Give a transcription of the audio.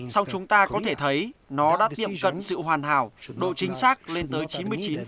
sau chúng ta có thể thấy nó đã tiêm cấm sự hoàn hảo độ chính xác lên tới chín mươi chín